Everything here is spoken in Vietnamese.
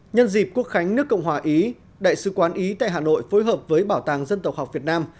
nhân dịp quốc khánh nước cộng hòa ý đại sứ quán ý tại hà nội phối hợp với bảo tàng dân tộc học việt nam